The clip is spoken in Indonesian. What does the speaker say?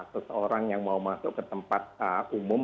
seseorang yang mau masuk ke tempat umum